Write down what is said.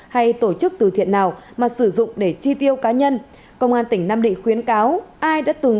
hay tổ chức từ thiện nào mà sử dụng để chi tiêu cá nhân công an tỉnh nam định khuyến cáo ai đã từng